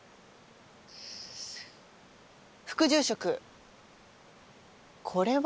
副住職これは？